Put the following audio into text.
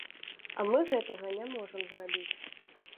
А мы гэтага не можам зрабіць.